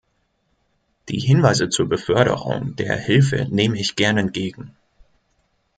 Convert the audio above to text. Die Hinweise zur Beförderung der Hilfe nehme ich gern entgegen.